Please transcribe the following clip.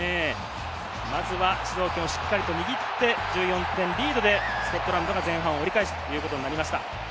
まずは主導権をしっかりと握って、１４点リードでスコットランドが前半を折り返すということになりました。